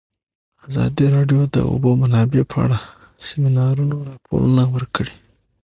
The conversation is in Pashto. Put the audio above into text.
ازادي راډیو د د اوبو منابع په اړه د سیمینارونو راپورونه ورکړي.